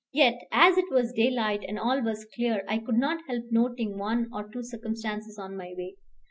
Yet as it was daylight, and all was clear, I could not help noting one or two circumstances on my way.